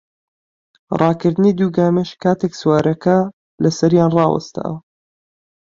ڕاکردنی دوو گامێش کاتێک سوارەکە لەسەریان ڕاوەستاوە